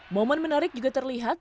momen menarik juga terlihat